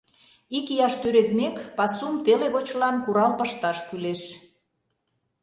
Икияш тӱредмек, пасум теле гочлан курал пышташ кӱлеш.